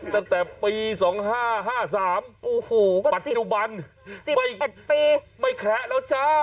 ตั้งแต่ปี๒๕๕๓ปัจจุบันไม่แคละแล้วจ้า